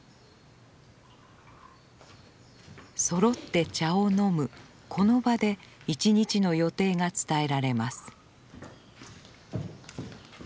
そろって茶を飲むこの場で一日の予定が伝えられます。